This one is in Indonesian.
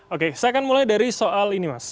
oke saya akan mulai dari soal ini mas